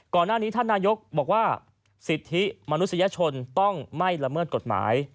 ก่อนหน้านี้ท่านนายกบอกว่าสิทธิมนุษยชนต้องไม่ละเมิดกฎหมาย